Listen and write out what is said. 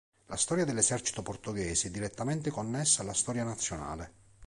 La storia dell'esercito portoghese è direttamente connessa alla storia nazionale.